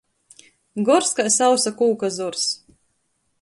Gors kai sausa kūka zors.